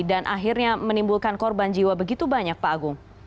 dan akhirnya menimbulkan korban jiwa begitu banyak pak agung